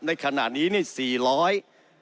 ในขณะนี้เนี่ย๔๐๐